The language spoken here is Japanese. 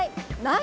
何？